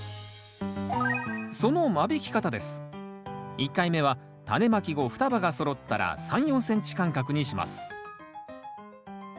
１回目はタネまき後双葉がそろったら３４ｃｍ間隔にします